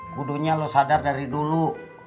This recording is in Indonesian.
kudunya lo sadar dari dulu